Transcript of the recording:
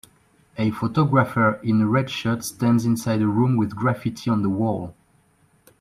A photographer in a red shirt stands inside a room with graffiti on the wall